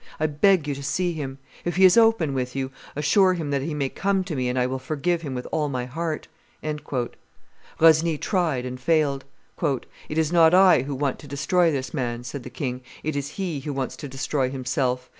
I beg you to see him. If he is open with you, assure him that he may come to me and I will forgive him with all my heart." Rosny tried and failed. "It is not I who want to destroy this man," said the king; "it is he who wants to destroy himself.